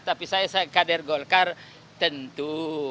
tapi saya kader golkar tentu